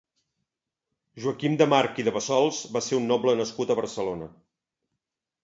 Joaquim de March i de Bassols va ser un noble nascut a Barcelona.